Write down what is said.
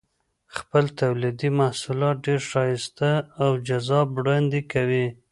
خپل تولیدي محصولات ډېر ښایسته او جذاب وړاندې کوي.